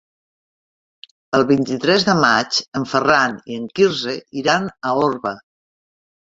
El vint-i-tres de maig en Ferran i en Quirze iran a Orba.